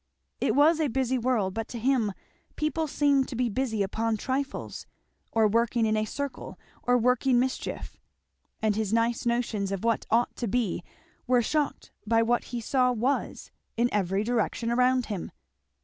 It was a busy world, but to him people seemed to be busy upon trifles, or working in a circle, or working mischief; and his nice notions of what ought to be were shocked by what he saw was, in every direction around him.